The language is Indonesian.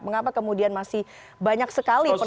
mengapa kemudian masih banyak sekali persoalan